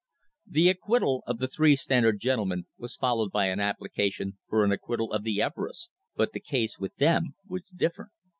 The acquittal of the three Standard gentlemen was followed by an application for the acquittal of the Everests, but the case with them was different.